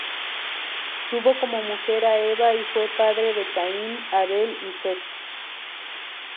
Tuvo como mujer a Eva y fue padre de Caín, Abel y Set.